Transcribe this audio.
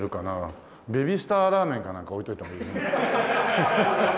ベビースターラーメンかなんか置いといた方がいい。